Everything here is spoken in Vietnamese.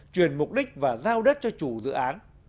chuyển mục đích và giao đất cho chủ dự án